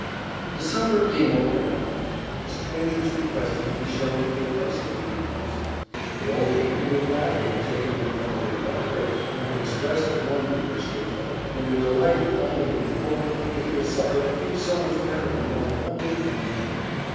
The supper being now over, the strangers requested to be shown to their place of repose. The old people would gladly have talked with them a little longer, and have expressed the wonder which they felt, and their delight at finding the poor and meagre supper prove so much better and more abundant than they hoped.